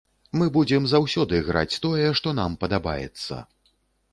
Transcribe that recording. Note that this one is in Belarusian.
Мы будзем заўсёды граць тое, што нам падабаецца.